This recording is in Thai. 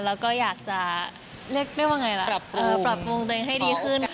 แล้วก็อยากจะเรียกว่าไงล่ะปรับปรุงตัวเองให้ดีขึ้น